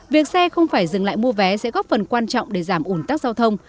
việc xe không phải dừng lại mua vé sẽ góp phần quan trọng để giảm ủn tắc giao thông